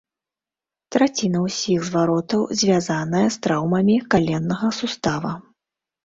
Траціна ўсіх зваротаў звязаная з траўмамі каленнага сустава.